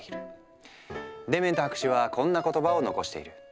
デメント博士はこんな言葉を残している。